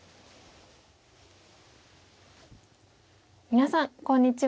皆さんこんにちは。